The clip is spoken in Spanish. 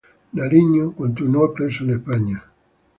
Nariño continuó preso en España.